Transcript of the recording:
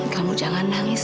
kamu jangan nangis